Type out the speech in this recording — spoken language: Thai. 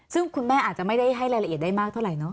ซึ่งคุณแม่อาจจะไม่ได้ให้รายละเอียดได้มากเท่าไหรเนาะ